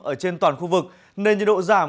ở trên toàn khu vực nền nhiệt độ giảm